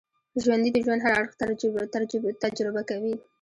ژوندي د ژوند هر اړخ تجربه کوي